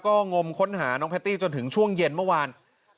ก็งมค้นหาน้องแพตตี้จนถึงช่วงเย็นเมื่อวาน